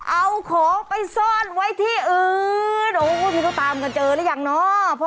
เอาของไปซ่อนไว้ที่อื่นโอ้พี่เขาตามกันเจอหรือยังเนาะ